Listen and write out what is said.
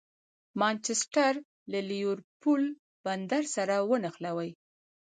مانچسټر له لېورپول بندر سره ونښلوي.